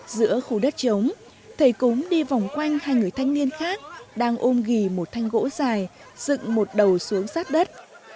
giữa khu đất chống thầy cúng đi vòng quanh hai người thanh niên khác đang ôm ghi một thanh gỗ dài dựng một đầu xuống sát đất